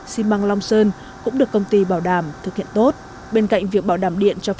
xi măng long sơn cũng được công ty bảo đảm thực hiện tốt bên cạnh việc bảo đảm điện cho